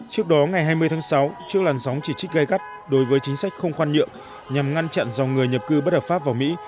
trước đó ngày hai mươi tháng sáu trước làn sóng chỉ trích gây gắt đối với chính sách không khoan nhượng nhằm ngăn chặn dòng người nhập cư bất hợp pháp vào mỹ